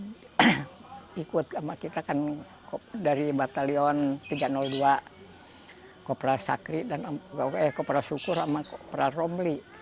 yang ikut sama kita kan dari batalion tiga ratus dua kopra syukur sama kopra romli